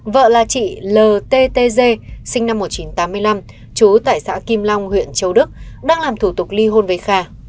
vợ là chị ltg sinh năm một nghìn chín trăm tám mươi năm chú tại xã kim long huyện châu đức đang làm thủ tục ly hôn với kha